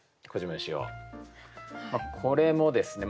これもですね